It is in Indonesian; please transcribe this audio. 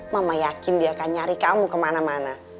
mama yakin dia akan nyari kamu kemana mana